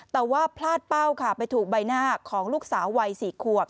แต่ว่าพลาดเป้าค่ะไปถูกใบหน้าของลูกสาววัย๔ขวบ